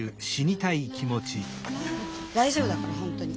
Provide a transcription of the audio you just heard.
大丈夫だから本当に。